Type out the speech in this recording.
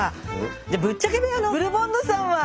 じゃぶっちゃけ部屋のブルボンヌさんは？